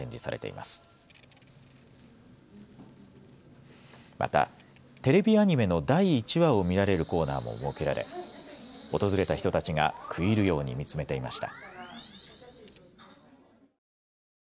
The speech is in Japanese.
またテレビアニメの第１話を見られるコーナーも設けられ訪れた人たちが食い入るように見つめていました。